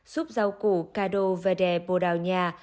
suốt rau củ cà đô vè đè bồ đào nha